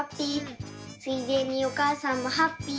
ついでにおかあさんもハッピー！